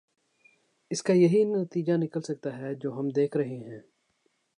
اس کا یہی نتیجہ نکل سکتا ہے جو ہم دیکھ رہے ہیں۔